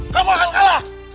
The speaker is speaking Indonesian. kamu akan kalah